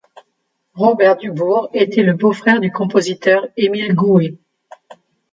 Robert Dubourg était le beau-frère du compositeur Émile Goué.